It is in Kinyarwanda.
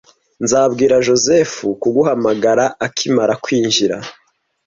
Nzabwira Joseph kuguhamagara akimara kwinjira.